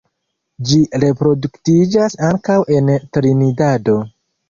Ĝi reproduktiĝas ankaŭ en Trinidado.